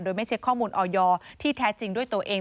โดยไม่เช็คข้อมูลออยที่แท้จริงด้วยตัวเอง